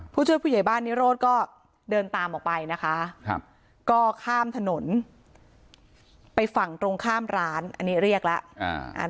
ผู้ช่วยผู้ใหญ่บ้านนิโรธก็เดินตามออกไปนะคะก็ข้ามถนนไปฝั่งตรงข้ามร้านอันนี้เรียกแล้ว